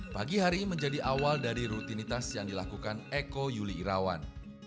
pagi hari menjadi awal dari rutinitas yang dilakukan eko yuli irawan